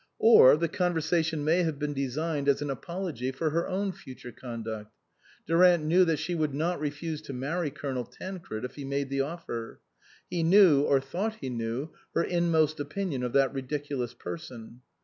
Or the conversation may have been designed as an apology for her own future conduct. Durant knew that she would not refuse to marry Colonel Tancred if he made the offer ; he knew, or thought he knew, her in most opinion of that ridiculous person.